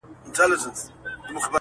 ته پوهیږې د ابا سیوری دي څه سو؟!.!